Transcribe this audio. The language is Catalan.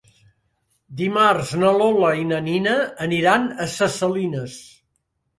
Dimarts na Lola i na Nina aniran a Ses Salines.